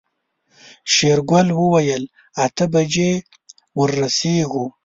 شېرګل وويل اته بجې ورسيږو.